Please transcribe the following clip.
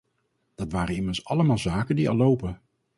Dat waren immers allemaal zaken die al lopen.